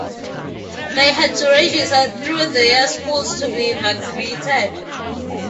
They had to register through their schools to be vaccinated.